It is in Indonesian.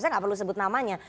saya nggak perlu sebut namanya